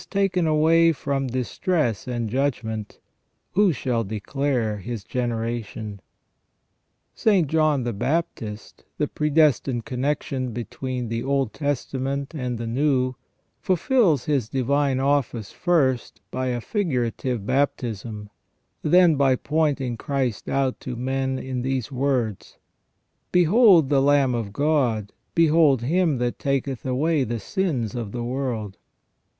353 taken away from distress and judgment : who shall declare His generation ?'' St. John the Baptist, the predestined connection between the Old Testament and the New, fulfils his divine office first by a figura tive baptism, then by pointing Christ out to men in these words :" Behold the Lamb of God, behold Him that taketh away the sins of the world